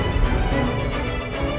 ya gak mungkin